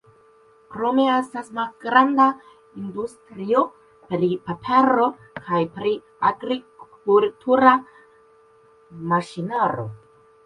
Krome estas malgranda industrio pri papero kaj pri agrikultura maŝinaro.